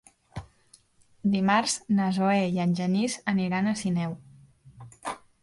Dimarts na Zoè i en Genís aniran a Sineu.